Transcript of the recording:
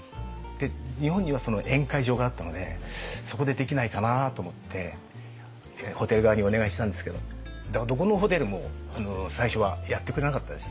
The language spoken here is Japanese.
で日本には宴会場があったのでそこでできないかなと思ってホテル側にお願いしたんですけどどこのホテルも最初はやってくれなかったです。